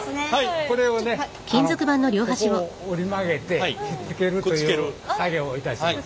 ここを折り曲げてひっつけるという作業をいたします。